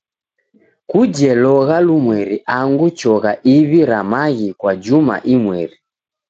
Kuje logha lumweri angu chogha iw'i ra maghi kwa juma imweri.